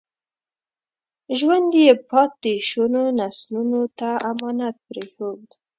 ژوند یې پاتې شونو نسلونو ته امانت پرېښود.